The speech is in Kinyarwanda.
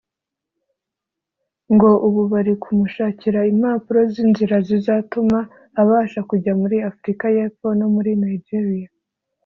ngo ubu bari kumushakira impapuro z’inzira zizatuma abasha kujya muri Afurika y’Epfo no muri Nigeria